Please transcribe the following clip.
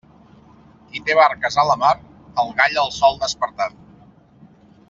Qui té barques a la mar, el gall el sol despertar.